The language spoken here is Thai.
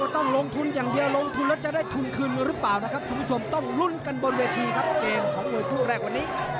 ต้องลงทุนอย่างเดียวลงทุนแล้วจะได้ทุนคืนหรือเปล่านะครับคุณผู้ชมต้องลุ้นกันบนเวทีครับเกมของมวยคู่แรกวันนี้